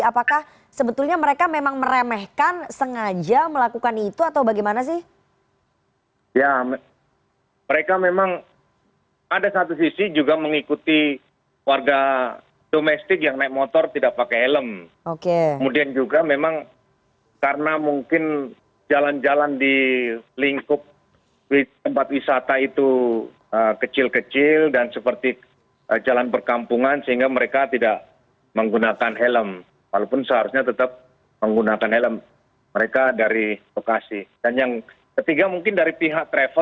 apakah sebetulnya mereka memang meremehkan sengaja melakukan itu atau bagaimana sih